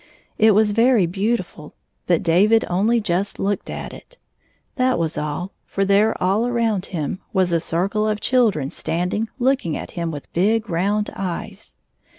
It was very beautiful, but David only just looked at it. That was all ; for there all around him was a circle of children standing looking at him with big round eyes.